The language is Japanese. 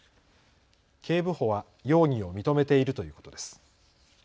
警部補は容疑を認めているということです。